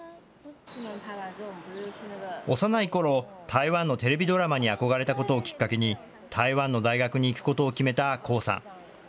幼いころ、台湾のテレビドラマに憧れたことをきっかけに、台湾の大学に行くことを決めた向さん。